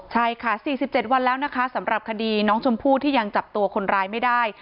ใช่ค่ะ๔๗วันแล้วนะคะสำหรับคดีน้องชมพู่ที่ยังจับตัวคนร้ายไม่ได้